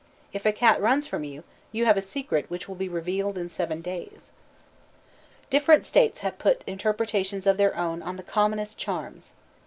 If a cat runs from you, you have a secret which will be revealed in seven days. Different states have put interpretations of their own on the commonest charms.